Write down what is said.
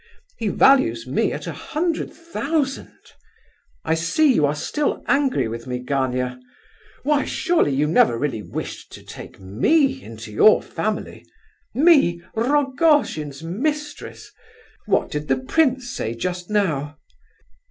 He values me at a hundred thousand! I see you are still angry with me, Gania! Why, surely you never really wished to take me into your family? me, Rogojin's mistress! What did the prince say just now?"